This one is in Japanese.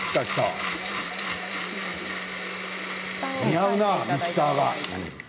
似合うな、ミキサーが。